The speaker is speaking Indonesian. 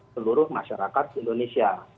seluruh masyarakat indonesia